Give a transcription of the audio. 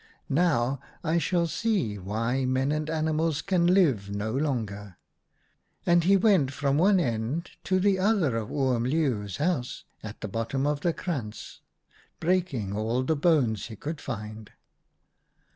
Now I shall see why men and animals can live no longer.' And he went from one end to the other of Oom Leeuw's house at the bottom of the krantz, breaking all the bones he could find.